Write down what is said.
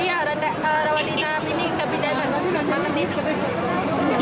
iya lantai rawat hinap ini tapi dalam lantai enam